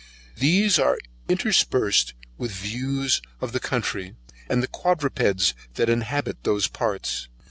these were interspersed with views of the country, and the quadrupedes that inhabit those parts.